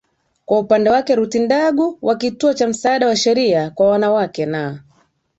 Kwa upande wake Ruth Ndagu wa Kituo cha Msaada wa Sheria kwa Wanawake na